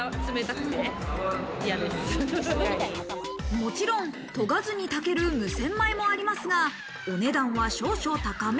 もちろん、とがずに炊ける無洗米もありますが、お値段は少々高め。